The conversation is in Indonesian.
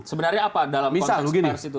sebenarnya apa dalam konferensi pers itu